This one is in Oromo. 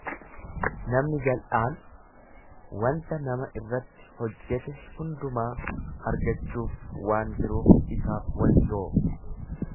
Namni jal'aan wanta nama irratti hojjete hundumaa argachuuf waan jiruuf isaaf wayyoo!